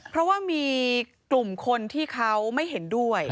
เพราะว่ามีกลุ่มคนที่เขาไม่เห็นด้วย